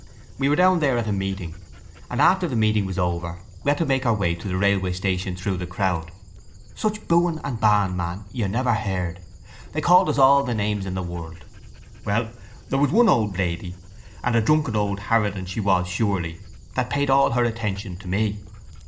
We were down there at a meeting and after the meeting was over we had to make our way to the railway station through the crowd. Such booing and baaing, man, you never heard. They called us all the names in the world. Well there was one old lady, and a drunken old harridan she was surely, that paid all her attention to me.